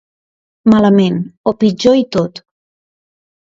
Malament, o pitjor i tot.